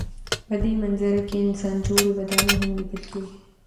په دې منظره کې انسان جوړې ودانۍ هم لیدل کېږي.